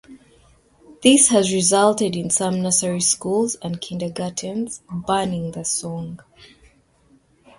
This has resulted in some nursery schools and kindergartens banning the song.